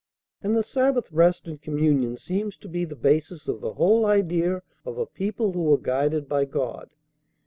And the Sabbath rest and communion seems to be the basis of the whole idea of a people who were guided by God.